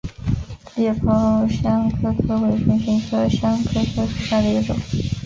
裂苞香科科为唇形科香科科属下的一个种。